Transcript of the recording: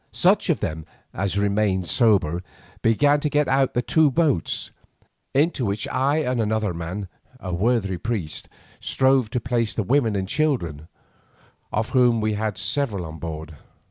Such of them as remained sober began to get out the two boats, into which I and another man, a worthy priest, strove to place the women and children, of whom we had several on board.